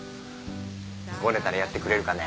ごねたらやってくれるかね？